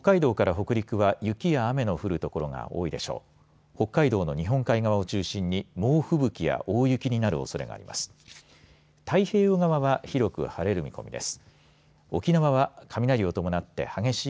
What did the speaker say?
北海道の日本海側を中心に猛吹雪や大雪になるおそれがあります。